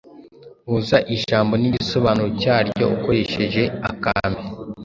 Huza ijambo n’igisobanuro cyaryo ukoresheje akambi.